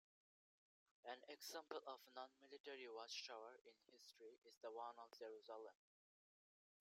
An example of nonmilitary watchtower in history is the one of Jerusalem.